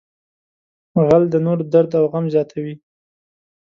غل د نورو درد او غم زیاتوي